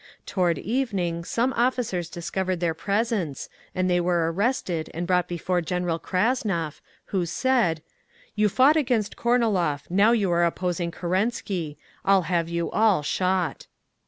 Toward evening some officers discovered their presence and they were arrested and brought before General Krasnov, who said, "You fought against Kornilov; now you are opposing Kerensky. I'll have you all shot!"